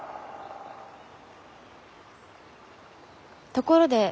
ところで。